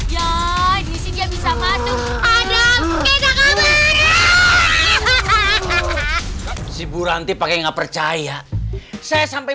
ya di sini bisa masuk ada beda kabur si buranti pakai nggak percaya saya sampai